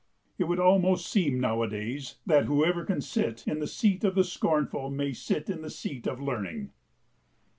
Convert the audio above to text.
It would almost seem nowadays that whoever can sit in the seat of the scornful may sit in the seat of learning.